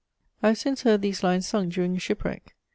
I have since heard these lines sung during a shipwreck.